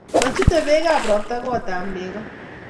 machutei beekab robta kootab nego